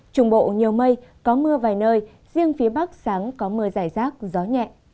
trung bộ nhiều mây có mưa vài nơi riêng phía bắc sáng có mưa giải rác gió nhẹ